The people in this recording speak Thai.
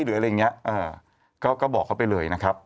หรืออะไรอย่างนี้ก็บอกเขาไปเลยนะครับ